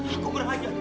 aku kurang ajar